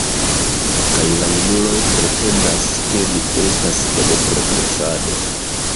Kaj la junuloj pretendas, ke ni estas en progresado!